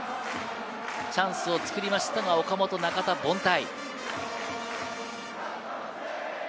チャンスを作りましたが、岡本、中田、凡退。